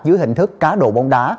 dưới hình thức cá đổ bóng đá